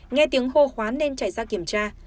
nghe tiếng hô khoán nên chạy ra kiểm tra